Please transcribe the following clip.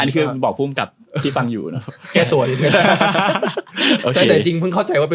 อันนี้คือบอกผู้งกับที่กำเนาะ